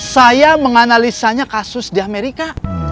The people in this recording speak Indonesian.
saya menganalisanya kasus di amerika